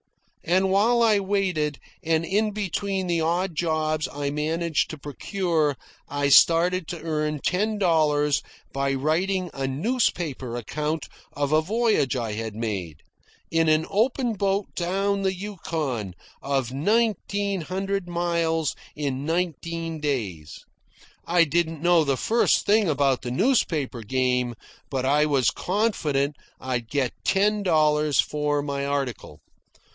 And while I waited, and in between the odd jobs I managed to procure, I started to earn ten dollars by writing a newspaper account of a voyage I had made, in an open boat down the Yukon, of nineteen hundred miles in nineteen days. I didn't know the first thing about the newspaper game, but I was confident I'd get ten dollars for my article.